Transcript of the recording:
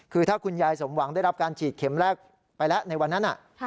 คือถ้าคุณยายสมหวังได้รับการฉีดเข็มแรกไปแล้วในวันนั้น